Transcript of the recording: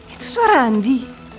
itu suara andi